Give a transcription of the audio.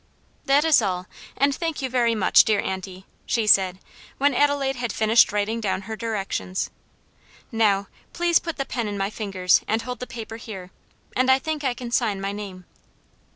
"That is all, and thank you very much, dear auntie," she said, when Adelaide had finished writing down her directions; "now, please put the pen in my fingers and hold the paper here, and I think I can sign my name."